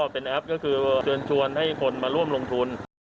เป็นแอปก็คือเชิญชวนให้คนมาร่วมลงทุน